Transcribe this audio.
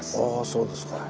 そうですか。